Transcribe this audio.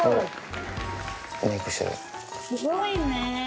すごいね！